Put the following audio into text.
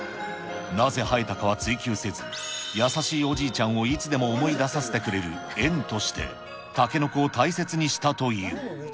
なぜ生えたかは追求せず、優しいおじいちゃんをいつでも思い出させてくれる縁として、タケノコを大切にしたという。